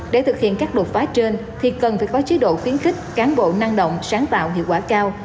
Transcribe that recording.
để thực hiện các đột phá trên thì cần phải có chế độ khuyến khích cán bộ năng động sáng tạo hiệu quả cao